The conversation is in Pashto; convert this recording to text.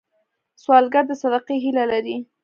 سوالګر د صدقې هیله لري